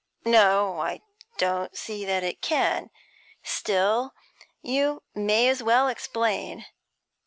'No, I don't see that it can. Still, you may as well explain.'